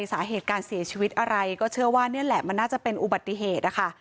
สาเหตุการเสียชีวิตอะไรก็เชื่อว่านี่แหละมันน่าจะเป็นอุบัติเหตุนะคะ